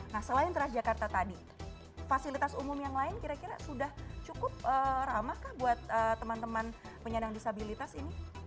nah selain transjakarta tadi fasilitas umum yang lain kira kira sudah cukup ramah kah buat teman teman penyandang disabilitas ini